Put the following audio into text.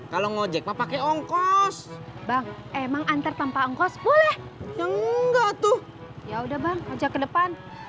kalau ngejek pakai ongkos bang emang antar tanpa ongkos boleh nggak tuh ya udah bang aja ke depan